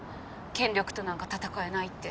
権力となんか闘えないって。